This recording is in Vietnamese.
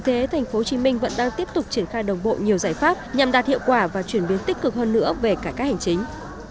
tp hcm vẫn đang tiếp tục triển khai đồng bộ nhiều giải pháp nhằm đạt hiệu quả và chuyển biến tích cực hơn nữa về cả các hành chính